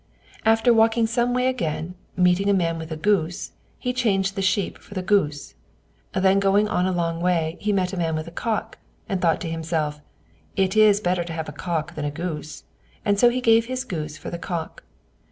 After walking some way again, meeting a man with a goose, he changed away the sheep for the goose; then going on a long way, he met a man with a cock, and thought to himself, "It is better to have a cock than a goose," and so gave his goose for the cock.